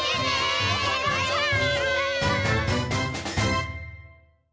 バイバイ！